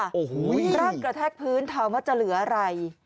รักกระแทกพื้นทางว่าจะเหลืออะไร